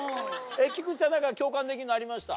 菊池さん何か共感できるのありました？